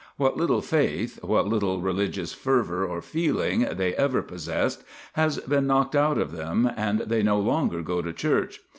What little faith, what little religious fervour or feeling, they ever possessed has been knocked out of them, and they no longer go to church.